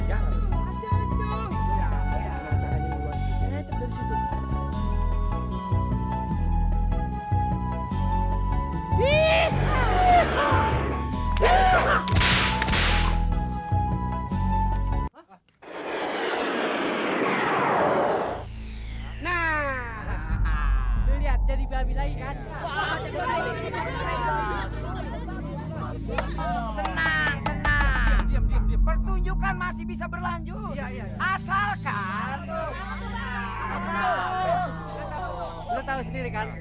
hai tenang tenang pertunjukan masih bisa berlanjut asalkan